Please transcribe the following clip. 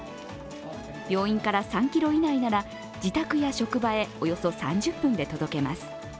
病院から３ｋｍ以内なら自宅や職場へおよそ３０分で届けます。